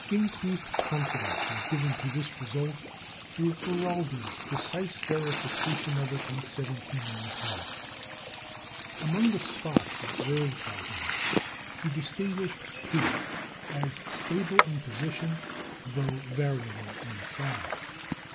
Increased confidence was given to this result through Maraldi's precise verification of it in 1719. Among the spots observed by him, he distinguished two as stable in position, though variable in size.